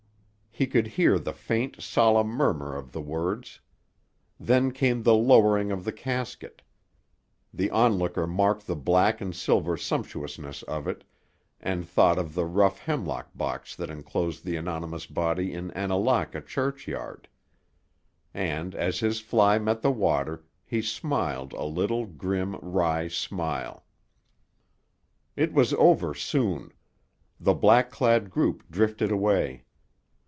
He could hear the faint solemn murmur of the words. Then came the lowering of the casket. The onlooker marked the black and silver sumptuousness of it, and thought of the rough hemlock box that enclosed the anonymous body in Annalaka churchyard. And, as his fly met the water, he smiled a little, grim, wry smile. It was over soon. The black clad group drifted away.